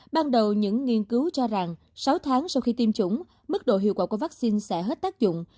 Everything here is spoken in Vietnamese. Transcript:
ban đầu những nghiên cứu cho rằng sáu tháng sau khi tiêm chủng mức độ hiệu quả của vaccine sẽ hết tác dụng